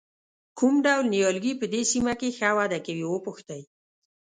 کوم ډول نیالګي په دې سیمه کې ښه وده کوي وپوښتئ.